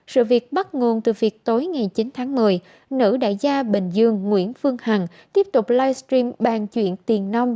sự việc bắt nguồn từ việc tối ngày chín tháng một mươi nữ đại gia bình dương nguyễn phương hằng tiếp tục livestream bàn chuyện tiền nông